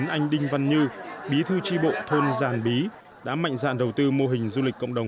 anh đinh văn như bí thư tri bộ thôn giàn bí đã mạnh dạn đầu tư mô hình du lịch cộng đồng